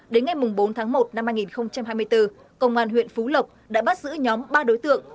đến ngày bốn tháng một năm hai nghìn hai mươi bốn công an huyện phú lộc đã bắt giữ nhóm ba đối tượng